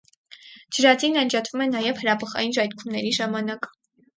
Ջրածին անջատվում է նաև հրաբխային ժայթքումների ժամանակ։